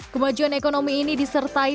kemajuan ekonomi ini disertai